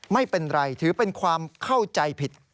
ไม่เป็นไรถือเป็นความเข้าใจผิด